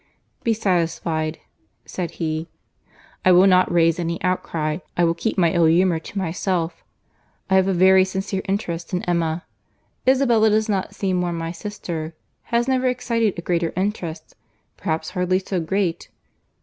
"Be satisfied," said he, "I will not raise any outcry. I will keep my ill humour to myself. I have a very sincere interest in Emma. Isabella does not seem more my sister; has never excited a greater interest; perhaps hardly so great.